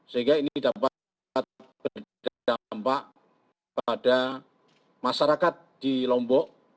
sehingga ini dapat berdampak pada masyarakat di lombok